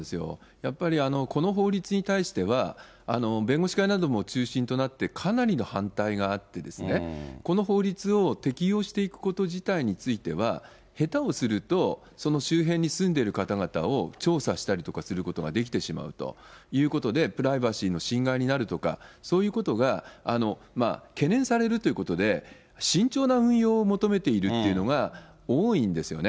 やっぱり、この法律に対しては、弁護士会なども中心となってかなりの反対があってですね、この法律を適用していくこと自体については、下手をすると、その周辺に住んでいる方々を調査したりとかすることができてしまうということで、プライバシーの侵害になるとか、そういうことが懸念されるということで、慎重な運用を求めているというのが多いんですよね。